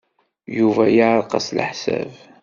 Yuba yeɛreq-as leḥsab.